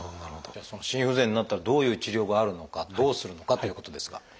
じゃあその心不全になったらどういう治療があるのかどうするのかということですが。